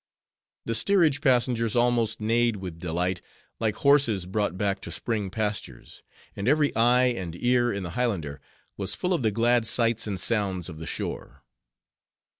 The steerage passengers almost neighed with delight, like horses brought back to spring pastures; and every eye and ear in the Highlander was full of the glad sights and sounds of the shore.